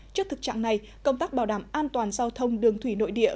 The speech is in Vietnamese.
trước thực trạng này công tác bảo đảm an toàn giao thông đường thủy nội địa